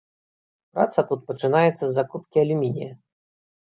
Праца тут пачынаецца з закупкі алюмінія.